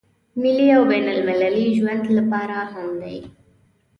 ملي او بين المللي ژوند لپاره هم دی.